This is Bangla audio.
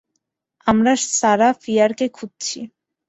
আমরা সারাহ ফিয়ারকে খুঁজছি।